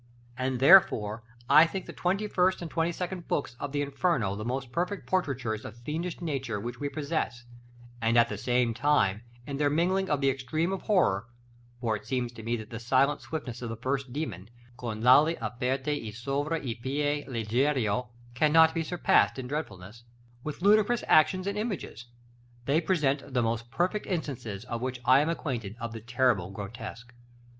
And, therefore, I think the twenty first and twenty second books of the "Inferno" the most perfect portraitures of fiendish nature which we possess; and at the same time, in their mingling of the extreme of horror (for it seems to me that the silent swiftness of the first demon, "con l'ali aperte e sovra i pie leggiero," cannot be surpassed in dreadfulness) with ludicrous actions and images, they present the most perfect instances with which I am acquainted of the terrible grotesque.